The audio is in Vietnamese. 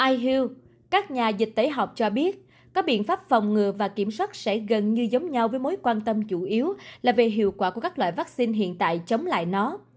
ihul các nhà dịch tễ học cho biết các biện pháp phòng ngừa và kiểm soát sẽ gần như giống nhau với mối quan tâm chủ yếu là về hiệu quả của các loại vaccine hiện tại chống lại nó